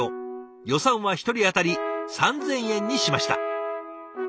予算は１人当たり３，０００円にしました。